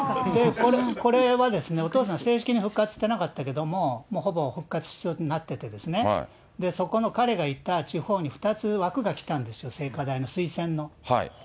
これはお父さん、正式に復活してなかったけれども、ほぼ復活しそうになってて、そこの彼が行った地方に２つ枠がきたんですよ、清華大の推薦の。